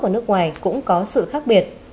và nước ngoài cũng có sự khác biệt